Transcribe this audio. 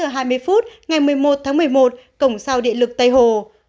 tám h hai mươi phút ngày một mươi một tháng một mươi một cổng sao địa lực tây hồ